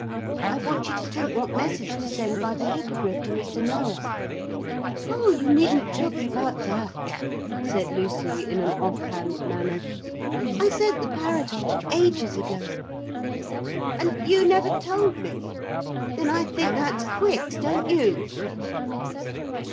I want you to think what message to send by the Hippogriff to Mr. Noah.' 'Oh, you needn't trouble about that,' said Lucy in an off hand manner. 'I sent the parrot off ages ago.' 'And you never told me! Then I think that's quits; don't you?'